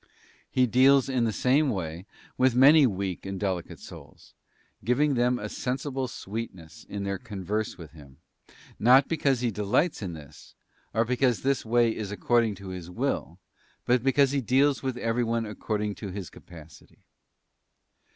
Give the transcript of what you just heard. He deals in the same L2 CHAP, a a BOOK Ii. 148 THE ASCENT OF MOUNT CARMEL, © way with many weak and delicate souls, giving them a sensible sweetness in their converse with Himself, not be cause He delights in this, or because this way is according to His will; but because He deals with everyone according to his capacity.